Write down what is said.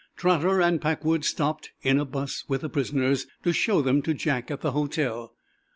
Trotter and Packwood stopped, in a 'bus with the prisoners, to show them to Jack at the hotel.